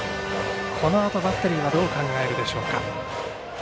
このあとバッテリーはどう考えるでしょうか。